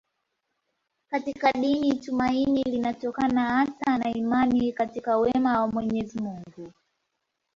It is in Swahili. Katika dini tumaini linatokana hasa na imani katika wema wa Mwenyezi Mungu.